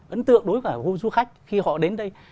ấn tượng đối với cả du khách khi họ đến đây